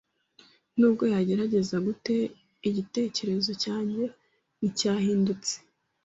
Nubwo yagerageza gute, igitekerezo cyanjye nticyahindutse.